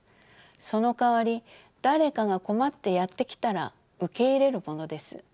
そのかわり誰かが困ってやって来たら受け入れるものです。